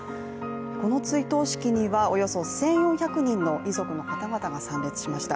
この追悼式にはおよそ１４００人の遺族の方々が参列しました。